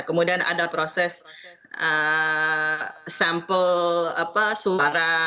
kemudian ada proses sampel para